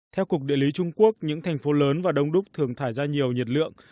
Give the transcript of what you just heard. theo cục địa lý trung quốc những thành phố lớn và đông đúc thường thải ra nhiều nhiệt lượng